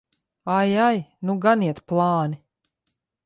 Ai, ai! Nu iet gan plāni!